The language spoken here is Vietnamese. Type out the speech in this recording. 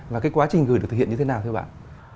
và cái quá trình gửi được thực hiện như thế nào thưa bạn